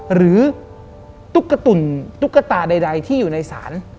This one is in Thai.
ตุ๊กตุ่นตุ๊กตาใดที่อยู่ในศาล